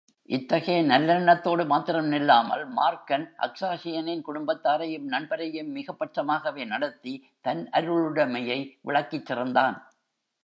இத்தகைய நல்லெண்ணத்தோடு மாத்திரம் நில்லாமல், மார்க்கன், அக்காஸ்ஸியனின் குடும்பத்தாரையும் நண்பரையும் மிகப் பட்சமாகவே நடத்தி, தன் அருளுடைமையை விளக்கிச்சிறந்தான்.